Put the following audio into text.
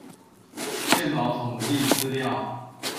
健保統計資料